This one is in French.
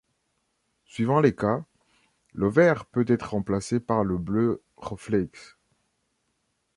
Suivant les cas, le vert peut être remplacé par le bleu reflex.